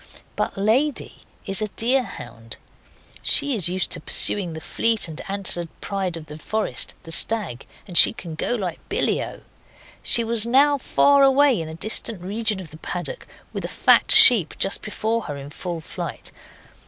But Lady is a deer hound. She is used to pursuing that fleet and antlered pride of the forest the stag and she can go like billyo. She was now far away in a distant region of the paddock, with a fat sheep just before her in full flight.